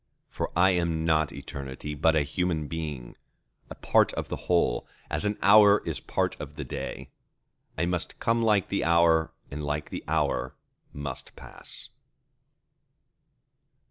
For I am not Eternity, but a human being—a part of the whole, as an hour is part of the day. I must come like the hour, and like the hour must pass!